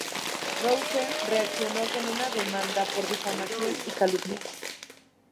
Russell reaccionó con una demanda por difamación y calumnias.